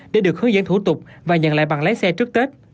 để được hướng dẫn thủ tục và nhận lại bằng lái xe trước tết